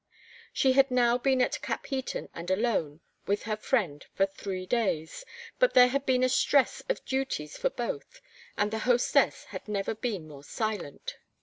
She had now been at Capheaton and alone with her friend for three days, but there had been a stress of duties for both, and the hostess had never been more silent.